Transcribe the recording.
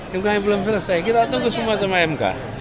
nah mk nya belum selesai kita tunggu semua sama mk